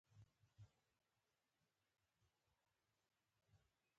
د کریموف رژیم په کروندګرو کې د کار انګېزه وژلې وه.